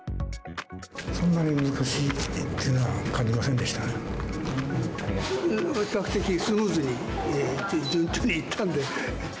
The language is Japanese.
そんなに難しいっていうのは、比較的スムーズに、順調にいったので。